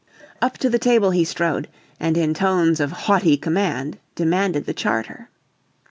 Up to the table he strode, and in tones of haughty command, demanded the charter.